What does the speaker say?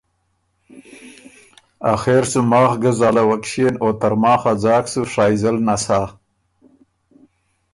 آخر سو ماخ ګه زالَوک ݭیېن او ترماخ ا ځاک سُو شائزل نسا۔